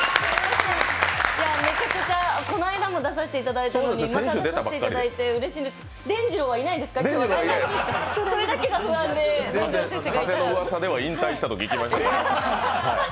めちゃくちゃ、この間も出させていただいたのにまた出させていただいてうれしいんですけど、でんじろうはいないんですか今日は大丈夫ですか。